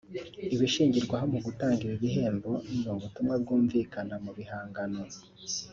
Ibishingirwaho mu gutanga ibi bihembo ni ubutumwa bwumvikana mu bihangano